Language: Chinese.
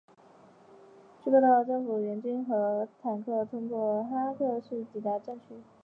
据报道政府军的援兵和坦克通过哈塞克市抵达了战区。